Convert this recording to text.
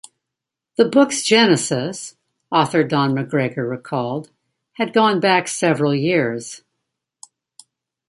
The books' genesis, author Don McGregor recalled, had gone back several years.